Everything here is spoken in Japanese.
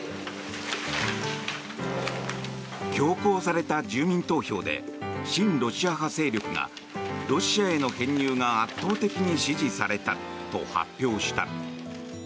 強行された住民投票で親ロシア派勢力がロシアへの編入が圧倒的に支持されたと発表した。